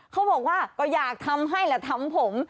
เขาบอกว่าก็อยากทำให้แหละทำผม